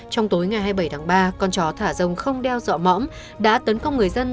trong tối ngày hai mươi bảy tháng ba con chó thả rông không đeo dọ mõm đã tấn công người dân